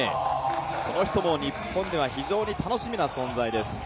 この人も日本では非常に楽しみな存在です。